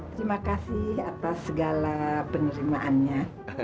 terima kasih atas segala penerimaannya